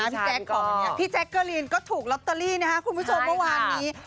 พี่แจ๊กก่อนหนึ่งเนี่ยพี่แจ๊กเกอร์รีนก็ถูกล็อตเตอรี่นะคะคุณผู้ชมกับวันนี้นี่